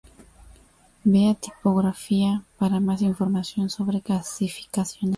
Vea tipografía para más información sobre clasificaciones.